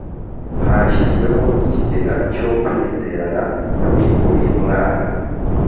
Hashyizweho ikigega cyo kwizerana kuri buri mwana.